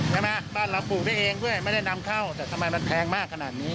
บ้านเราปลูกได้เองด้วยไม่ได้นำเข้าแต่ทำไมมันแพงมากขนาดนี้